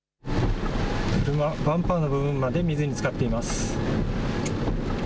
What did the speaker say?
車、バンパーの部分まで水につかっています。